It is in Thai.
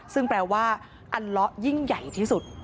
ซึ่งแปลว่าอัลเลาะยิ่งใหญ่ที่สุด